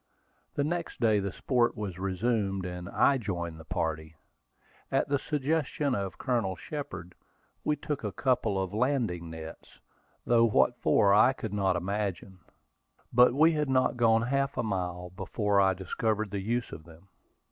The next day the sport was resumed, and I joined the party. At the suggestion of Colonel Shepard, we took a couple of landing nets, though what for I could not imagine. But we had not gone half a mile before I discovered the use of them.